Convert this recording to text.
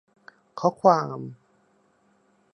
ข้อความ